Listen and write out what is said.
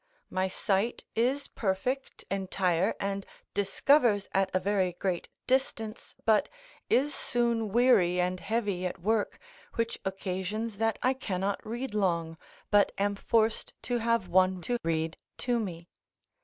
My sight is perfect, entire, and discovers at a very great distance, but is soon weary and heavy at work, which occasions that I cannot read long, but am forced to have one to read to me.